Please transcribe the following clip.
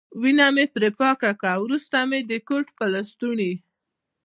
وینه مې پرې پاکه کړل، وروسته مې د کوټ په لستوڼي.